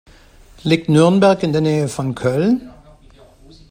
Liegt Nürnberg in der Nähe von Köln?